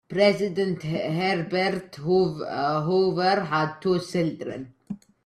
President Herbert Hoover had two children.